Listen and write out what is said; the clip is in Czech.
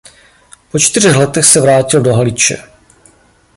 Po čtyřech letech se vrátil do Haliče.